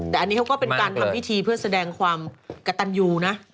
แต่อันนี้เขาก็เป็นการทำพิธีเพื่อแสดงความกระตันยูนะ